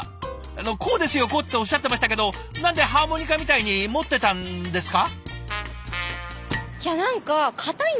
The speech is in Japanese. あの「こうですよこう」っておっしゃってましたけど何でハーモニカみたいに持ってたんですか？